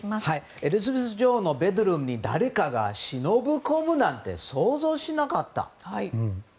エリザベス女王のベッドルームに誰かが忍び込むなんて想像しなかった。